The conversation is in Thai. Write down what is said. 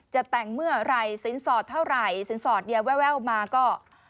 จะแต่งเมื่อไหร่สินสอดเท่าไหร่สินสอดเนี่ยแววมาก็